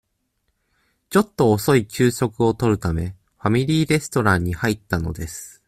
ちょっと遅い昼食をとるため、ファミリーレストランに入ったのです。